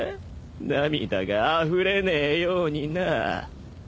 涙があふれねえようになぁ。